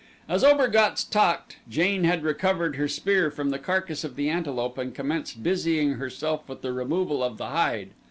As Obergatz talked Jane had recovered her spear from the carcass of the antelope and commenced busying herself with the removal of the hide.